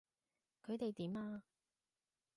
佢哋點啊？